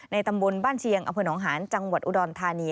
ในตำบลบ้านเชียงอหจังหวัดอุดรธานี